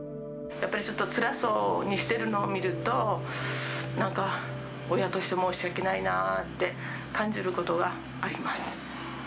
やっぱりちょっとつらそうにしてるのを見ると、なんか、親として申し訳ないなって感じることがあります。